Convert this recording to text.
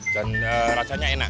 dan rasanya enak